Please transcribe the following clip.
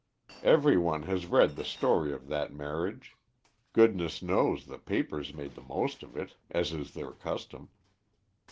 Every one has read the story of that marriage; goodness knows, the papers made the most of it, as is their custom.